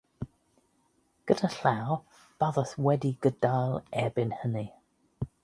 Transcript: Gyda llaw, byddaf wedi gadael erbyn hynny.